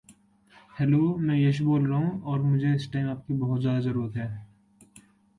It inhabits shallow, rocky streams, springs, and pools.